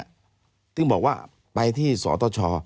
จึงบอกว่าไปที่สอต้อชอ